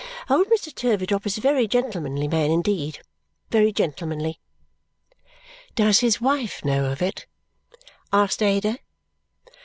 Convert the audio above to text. Old Mr. Turveydrop is a very gentlemanly man indeed very gentlemanly." "Does his wife know of it?" asked Ada.